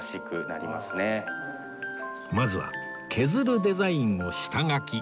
まずは削るデザインを下描き